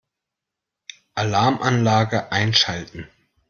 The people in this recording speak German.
Alarmanlage einschalten.